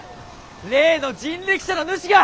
例の人力車の主が。